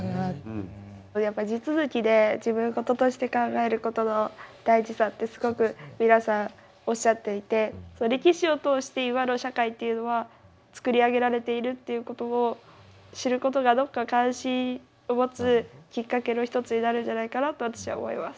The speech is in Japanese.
やっぱ地続きで自分ごととして考えることの大事さってすごく皆さんおっしゃっていて歴史を通して今の社会っていうのは作り上げられているっていうことを知ることがどこか関心を持つきっかけの一つになるんじゃないかなと私は思います。